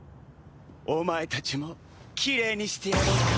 お前たちもきれいにしてやろうか？